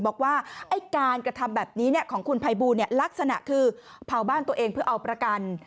บอกว่าไอ้การกระทำแบบนี้ของคุณภัยบูลลักษณะคือเผาบ้านตัวเองเพื่อเอาประกัน